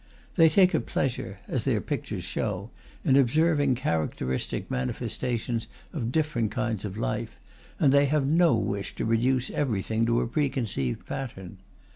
They take a pleasure as their pictures show in observing characteristic manifestations of different kinds of life, and they have no wish to reduce everything to a preconceived pattern.